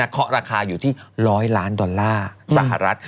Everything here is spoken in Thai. เขาราคาอยู่ที่๑๐๐ล้านดอลลาร์สหรัฐ